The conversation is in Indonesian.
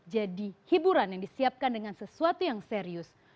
jadi hiburan yang disiapkan dengan sesuatu yang serius